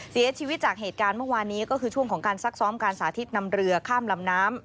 เสียชีวิตจากเหตุการณ์เมื่อวานนี้ก็คือช่วงของการซักซ้อมการสาธิตนำเรือข้ามลำน้ำ